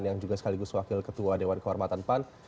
yang juga sekaligus wakil ketua dewan kehormatan pan